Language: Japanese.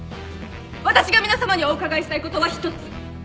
私が皆さまにお伺いしたいことは１つ